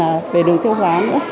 là về đường tiêu hóa nữa